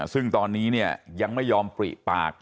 ซึ่งตอนนี้เนี่ยยังไม่ยอมปริปาก